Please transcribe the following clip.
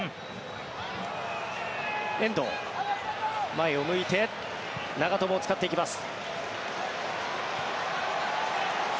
遠藤、前を向いて長友を使っていきます。